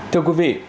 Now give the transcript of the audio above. thưa quý vị